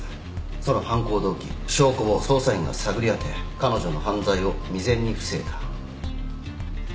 その犯行動機証拠を捜査員が探り当て彼女の犯罪を未然に防いだ。